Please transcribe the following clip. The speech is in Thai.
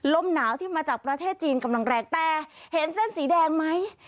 ลมหนาวที่มาจากประเทศจีนกำลังแรงแต่เห็นเส้นสีแดงไหม